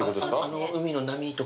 あの海の波とか。